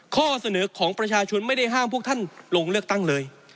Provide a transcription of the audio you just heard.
ข้อเสนอของประชาชนไม่ได้ห้ามพวกท่านลงเลือกตั้งเลย